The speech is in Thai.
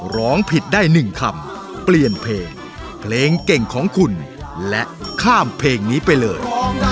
ร้องผิดได้๑คำเปลี่ยนเพลงเพลงเก่งของคุณและข้ามเพลงนี้ไปเลย